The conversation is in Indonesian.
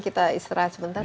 kita istirahat sebentar